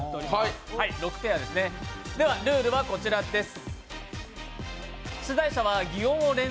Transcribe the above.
ルールはこちらです。